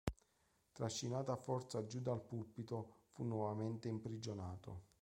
Trascinato a forza giù dal pulpito, fu nuovamente imprigionato.